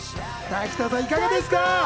滝藤さん、いかがですか？